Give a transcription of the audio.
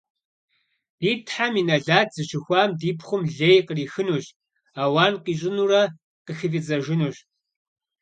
- Ди Тхьэм и нэлат зыщыхуам ди пхъум лей кърихынущ, ауан къищӀынурэ къыхыфӀидзэжынущ.